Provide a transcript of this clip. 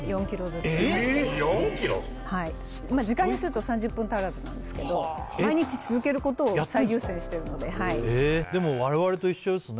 時間にすると３０分足らずですけど毎日続けることを最優先してるのであっそうなんですか？